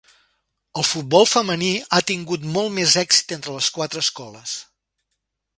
El futbol femení ha tingut molt més èxit entre les quatre escoles.